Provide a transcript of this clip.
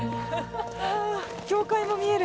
あ教会も見える。